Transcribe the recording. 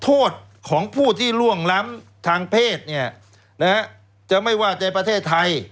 โทษของผู้ที่ล่วงล้ำทางเพศเนี่ยนะฮะจะไม่ว่าในประเทศไทย